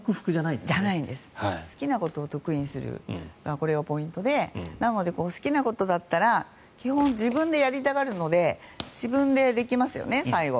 これがポイントでなので、好きなことだったら基本、自分でやりたがるので自分でできますよね、最後。